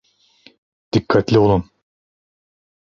Dikkatli olun.